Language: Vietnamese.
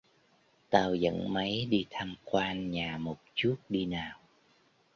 Tao dẫn máy đi tham quan nhà một chút đi nào